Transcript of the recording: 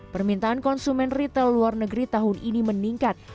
permintaan konsumen retail luar negeri tahun ini meningkat